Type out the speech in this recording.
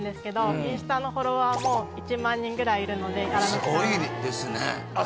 インスタのフォロワーも１万人ぐらいいるので荒牧さんはすごいですねあっ